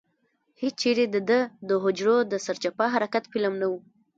هېچېرې دده د حجرو د سرچپه حرکت فلم نه و.